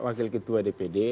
wakil ketua dpd